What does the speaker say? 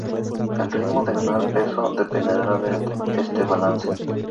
El ritmo de ganar peso dependerá de este balance.